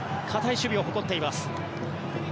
堅い守備を誇っています。